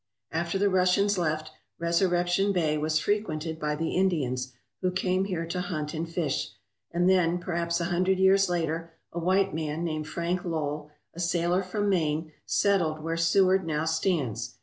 After the Russians left, Resurrection Bay was fre quented by the Indians, who came here to hunt and fish; and then, perhaps a hundred years later, a white man named Frank Lowell, a sailor from Maine, settled where Seward now stands.